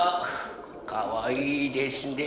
かわいいですね。